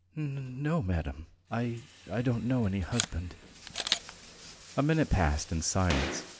"N ... no, madam. ... I ... I don't know any husband." A minute passed in silence.